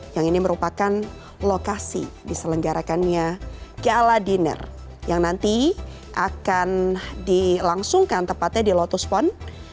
yang ini merupakan lokasi diselenggarakannya gala dinner yang nanti akan dilangsungkan tepatnya di lotus pon